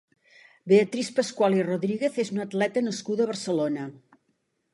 Beatriz Pascual i Rodríguez és una atleta nascuda a Barcelona.